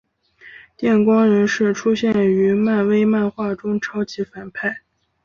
电光人是出现于漫威漫画中超级反派。